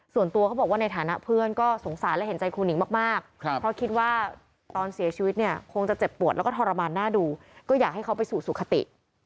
ส่วนตัวเขาบอกว่าในฐานะเพื่อนก็สงสารและเห็นใจครูหนิงมากเพราะคิดว่าตอนเสียชีวิตเนี่ยคงจะเจ็บปวดแล้วก็ทรมานหน้าดูก็อยากให้เขาไปสู่สุขติ